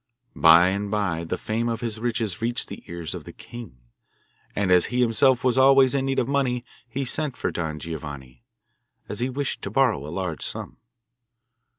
By and bye the fame of his riches reached the ears of the king, and, as he himself was always in need of money, he sent for Don Giovanni, as he wished to borrow a large sum.